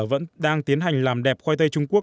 vẫn đang tiến hành làm đẹp khoai tây trung quốc